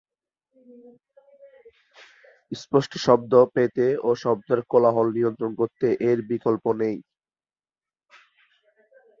স্পষ্ট শব্দ পেতে ও শব্দের কোলাহল নিয়ন্ত্রণ করতে এর বিকল্প নেই।